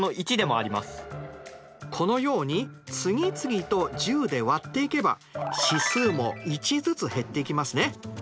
このように次々と１０で割っていけば指数も１ずつ減っていきますね。